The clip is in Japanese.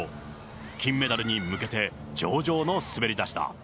金メダルに向けて、上々の滑り出しだ。